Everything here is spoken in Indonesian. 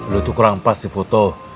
lu itu kurang pas di foto